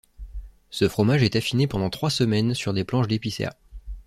Ce fromage est affiné pendant trois semaines sur des planches d’épicéa.